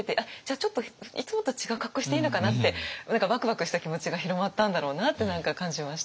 ちょっといつもと違う格好していいのかなって何かワクワクした気持ちが広まったんだろうなって感じました。